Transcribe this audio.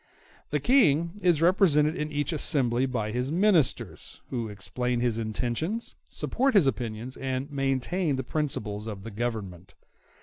The King is represented in each assembly by his ministers, who explain his intentions, support his opinions, and maintain the principles of the Government.